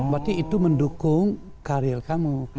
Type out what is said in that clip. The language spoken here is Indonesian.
berarti itu mendukung karir kamu